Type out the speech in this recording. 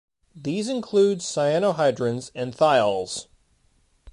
These include cyanohydrins and thiols.